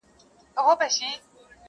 آسمانه ما ستا د ځوانۍ په تمه٫